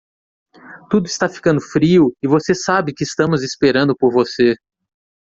Tudo está ficando frio e você sabe que estamos esperando por você.